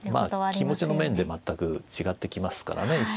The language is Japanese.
気持ちの面で全く違ってきますからね。